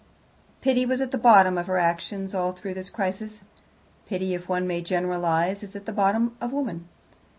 Pity was at the bottom of her actions all through this crisis. Pity, if one may generalize, is at the bottom of woman.